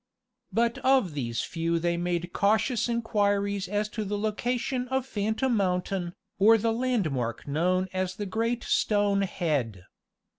But of these few they made cautious inquiries as to the location of Phantom Mountain, or the landmark known as the great stone head.